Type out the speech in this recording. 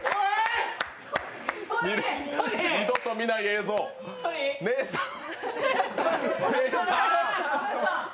二度と見ない映像ねえさん。